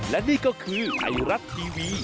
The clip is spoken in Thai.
และนี่ก็คือไทยรัฐทีวี